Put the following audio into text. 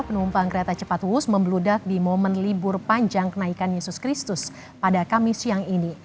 penumpang kereta cepat wus membeludak di momen libur panjang kenaikan yesus kristus pada kamis siang ini